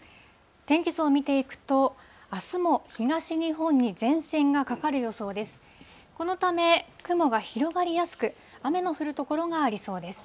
天気図を見ていくと、あすも東日本に前線がかかる予想です。